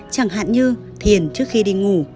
chẳng hạn như thiền trước khi đi ngủ